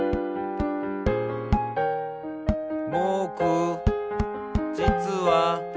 「ぼくじつは」